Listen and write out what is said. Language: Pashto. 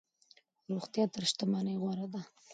روغتيا تر شتمنۍ غوره ده.